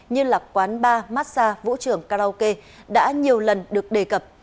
như là quán bar massage vũ trường karaoke đã nhiều lần được đề cập